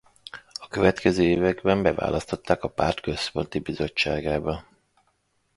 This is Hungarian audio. A következő években beválasztották a párt Központi Bizottságába.